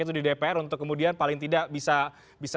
itu di dpr untuk kemudian paling tidak bisa